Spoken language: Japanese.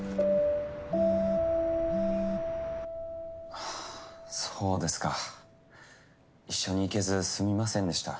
あぁそうですか。一緒に行けずすみませんでした。